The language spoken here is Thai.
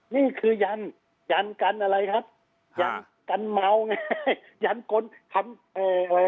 นี่คือยันทร์กันอะไรครับกันเมาไง